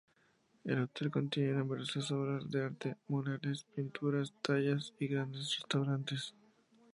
El hotel contiene numerosas obras de arte, murales, pinturas, tallas, y grandes restaurantes.